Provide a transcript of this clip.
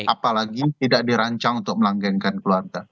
apalagi tidak dirancang untuk melanggengkan keluarga